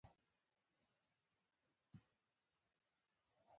علمي موضوعات راټول شوي دي.